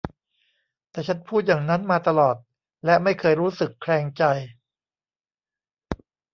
แต่ฉันพูดอย่างนั้นมาตลอดและไม่เคยรู้สึกแคลงใจ